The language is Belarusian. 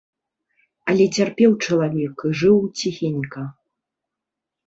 Але цярпеў чалавек і жыў ціхенька.